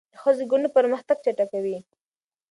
د ښځو ګډون پرمختګ چټکوي.